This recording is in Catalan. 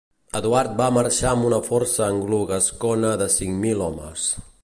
Eduard va marxar amb una força anglogascona de cinc mil homes.